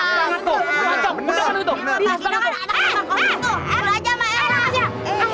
pak gino kan ada rumah pak gino